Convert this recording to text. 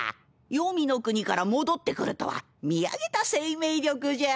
黄泉の国から戻ってくるとは見上げた生命力じゃ。